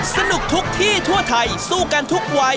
สนุกทุกที่ทั่วไทยสู้กันทุกวัย